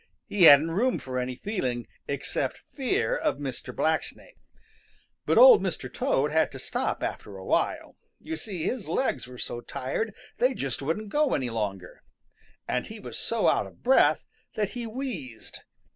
He hadn't room for any feeling except fear of Mr. Blacksnake. But Old Mr. Toad had to stop after a while. You see, his legs were so tired they just wouldn't go any longer. And he was so out of breath that he wheezed.